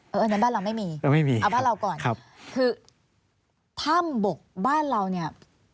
เออนั่นบ้านเราไม่มีเอาบ้านเราก่อนคือถ้ำบกบ้านเรานี่